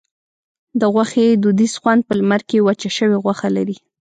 د غوښې دودیز خوند په لمر کې وچه شوې غوښه لري.